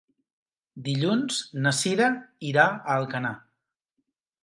Dilluns na Sira irà a Alcanar.